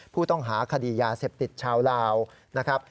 ผู้ต้องหาคดียาเสพติดชาวลาวนะครับ